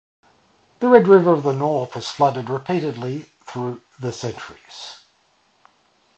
The Red River of the North has flooded repeatedly through the centuries.